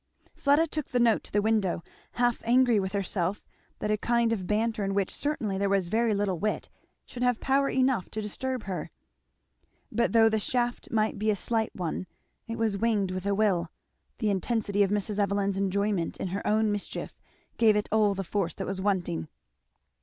Fleda took her note to the window, half angry with herself that a kind of banter in which certainly there was very little wit should have power enough to disturb her. But though the shaft might be a slight one it was winged with a will; the intensity of Mrs. Evelyn's enjoyment in her own mischief gave it all the force that was wanting.